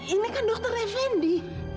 ini kan dokter effendi